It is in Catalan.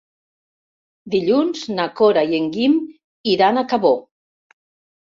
Dilluns na Cora i en Guim iran a Cabó.